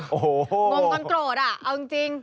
งงกันโกรธอ่ะเอาจริง